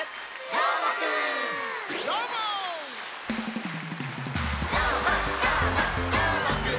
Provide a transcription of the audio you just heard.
「どーもどーもどーもくん！」